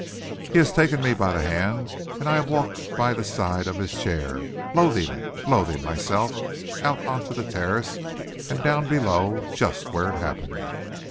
He has taken me by the hand, and I have walked by the side of his chair, loathing it, loathing myself, out on to the terrace and down below, just where it happened.